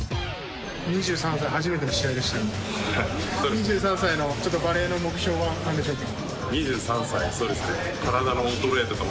２３歳のバレーの目標は何でしょうか？